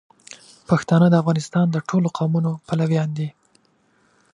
پښتانه د افغانستان د ټولو قومونو پلویان دي.